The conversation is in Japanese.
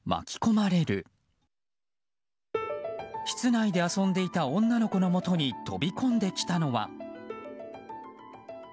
室内で遊んでいた女の子のもとに飛び込んできたのは。